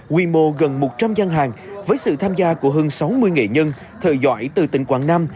quy mô gần một trăm linh gian hàng với sự tham gia của hơn sáu mươi nghệ nhân thợ giỏi từ tỉnh quảng nam